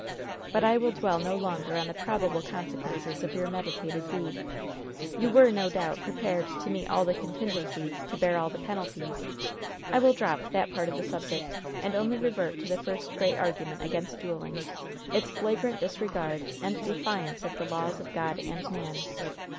"But I will dwell no longer on the probable consequences of your meditated deed. You were, no doubt, prepared to meet all the contingencies, to bear all the penalties. I will drop that part of the subject, and only revert to the first great argument against dueling its flagrant disregard and defiance of the laws of God and man.